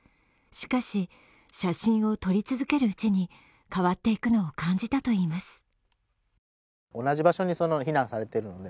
しかし、写真を撮り続けるうちに変わっていくのを感じたといいます。